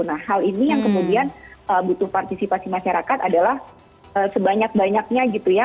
nah hal ini yang kemudian butuh partisipasi masyarakat adalah sebanyak banyaknya gitu ya